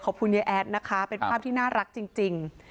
คุณยายแอดนะคะเป็นภาพที่น่ารักจริง